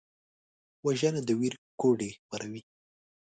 وژنه د ویر کوډې خپروي